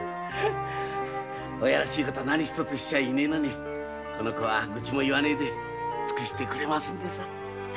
親らしいことは何一つしちゃいねえのにこの子は愚痴も言わずに尽くしてくれるんです。